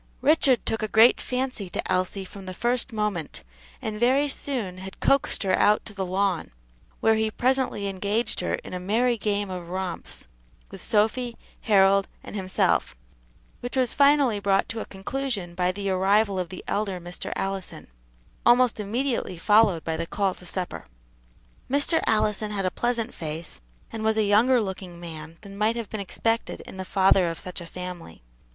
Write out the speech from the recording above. Richard took a great fancy to Elsie from the first moment, and very soon had coaxed her out to the lawn, where he presently engaged her in a merry game of romps with Sophy, Harold, and himself, which was finally brought to a conclusion by the arrival of the elder Mr. Allison, almost immediately followed by the call to supper. Mr. Allison had a pleasant face, and was a younger looking man than might have been expected in the father of such a family.